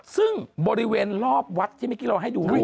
ซึ่งบริเวณรอบวัดที่เมื่อกี้เราให้ดู